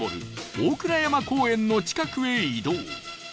大倉山公園の近くへ移動スタッフ：